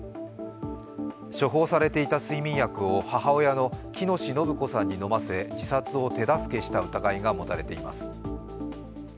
処方されていた睡眠薬を母親の喜熨斗延子さんに飲ませ自殺を手助けした疑いが持たれています。